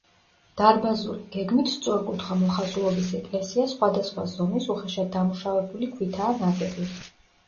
დარბაზული, გეგმით სწორკუთხა მოხაზულობის ეკლესია სხვადასხვა ზომის უხეშად დამუშავებული ქვითაა ნაგები.